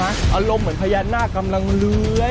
อารมณ์เหมือนพญานาคกำลังเลื้อย